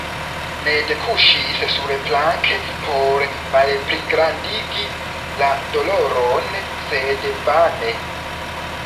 Ned kuŝis surplanke por malpligrandigi la doloron, sed vane.